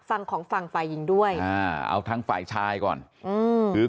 ฝั่งของฝั่งฝ่ายหญิงด้วยอ่าเอาทั้งฝ่ายชายก่อนอืมคือ